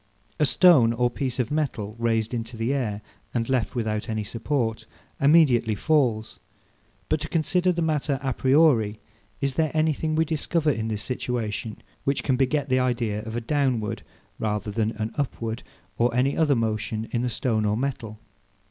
A stone or piece of metal raised into the air, and left without any support, immediately falls: but to consider the matter a priori, is there anything we discover in this situation which can beget the idea of a downward, rather than an upward, or any other motion, in the stone or metal?